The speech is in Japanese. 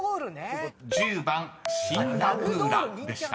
［１０番「シンガプーラ」でした］